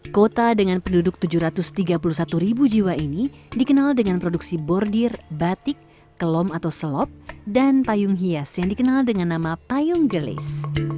kota dengan penduduk tujuh ratus tiga puluh satu ribu jiwa ini dikenal dengan produksi bordir batik kelom atau selop dan payung hias yang dikenal dengan nama payung gelis